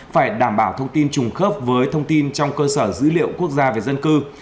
phải đảm bảo thông tin trùng khớp với thông tin trong cơ sở dữ liệu quốc gia về dân cư